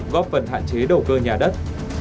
góp phần hạn chế đầu cơ nhà đất